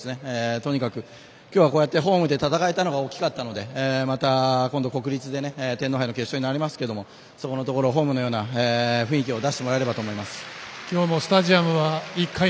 とにかく今日はホームで戦えたのが大きかったのでまた今度国立で天皇杯の決勝となりますがホームのような雰囲気を出してもらえればいいと思います。